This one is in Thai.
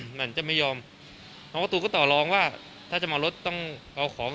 เหมือนจะไม่ยอมน้องการ์ตูนก็ต่อรองว่าถ้าจะมารถต้องเอาของ